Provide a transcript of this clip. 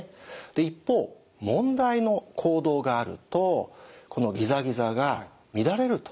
一方問題の行動があるとこのギザギザが乱れるということが。